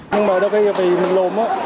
nhưng mà đôi khi vì mình lùm á